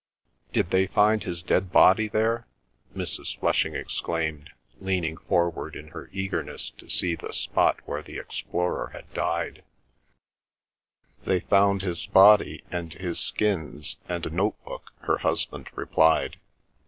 "Did they find his dead body there?" Mrs. Flushing exclaimed, leaning forward in her eagerness to see the spot where the explorer had died. "They found his body and his skins and a notebook," her husband replied.